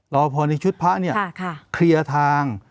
รอพอในชุดพระเคลียร์ทาง